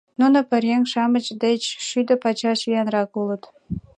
Нуно пӧръеҥ-шамыч деч шӱдӧ пачаш виянрак улыт.